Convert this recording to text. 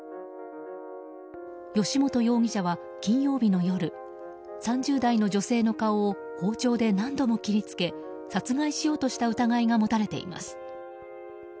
吉元容疑者は金曜日の夜３０代の女性の顔を包丁で何度も切り付け殺害しようとした疑いが持たれています。